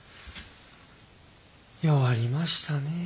弱りましたねえ。